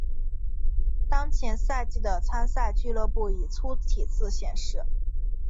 当前赛季的参赛俱乐部以粗体字显示。